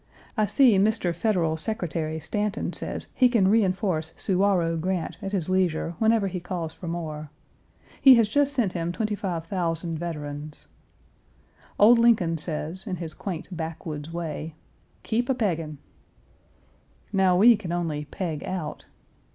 I see Mr. Federal Secretary Stanton says he can reenforce Suwarrow Grant at his leisure whenever he calls for more. He has just sent him 25,000 veterans. Old Lincoln says, in his quaint backwoods way, "Keep a peggin'." Now we can only peg out.